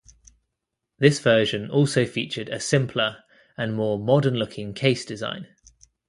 This version also featured a simpler and more modern-looking case design.